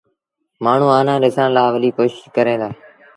مآڻهوٚݩ آنآ ڏسڻ لآ وڏيٚ ڪوشيٚش ڪريݩ دآ۔